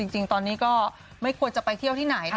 จริงตอนนี้ก็ไม่ควรจะไปเที่ยวที่ไหน